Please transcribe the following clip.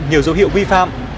nhiều dấu hiệu vi phạm